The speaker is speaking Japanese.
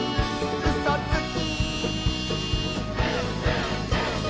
「うそつき！」